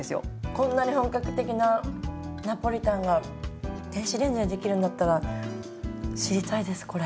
こんなに本格的なナポリタンが電子レンジで出来るんだったら知りたいですこれ。